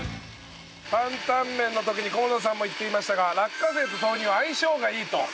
担々麺の時に菰田さんも言っていましたが落花生と豆乳は相性がいいと。